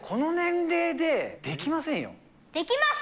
できます。